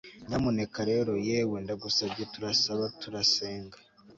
Nyamuneka rero yewe ndagusabye turasaba turasenga